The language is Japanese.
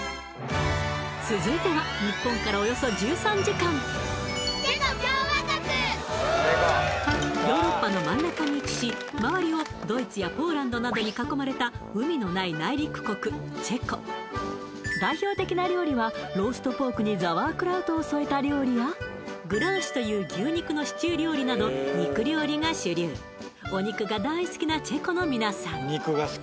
続いては日本からおよそ１３時間ヨーロッパの真ん中に位置し周りをドイツやポーランドなどに囲まれたチェコ代表的な料理はローストポークにザワークラウトを添えた料理やグラーシュという牛肉のシチュー料理など肉料理が主流お肉が大好きなチェコのみなさん